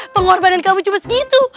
pengorbanan kamu cuma segitu